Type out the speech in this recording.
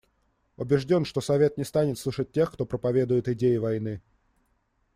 Убежден, что Совет не станет слушать тех, кто проповедует идеи войны.